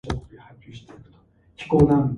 Now I know that I can produce myself.